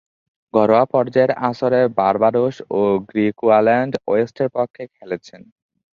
ঘরোয়া পর্যায়ের আসরে বার্বাডোস ও গ্রিকুয়াল্যান্ড ওয়েস্টের পক্ষে খেলেছেন।